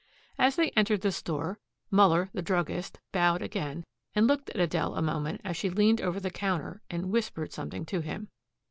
As they entered the store Muller, the druggist, bowed again and looked at Adele a moment as she leaned over the counter and whispered something to him.